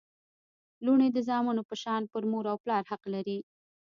لوڼي د زامنو په شان پر مور او پلار حق لري